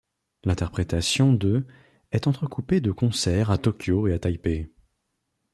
L'interprétation de est entrecoupée des concerts à Tokyo et à Taipei.